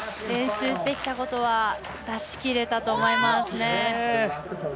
練習してきたことは出し切れたと思いますね。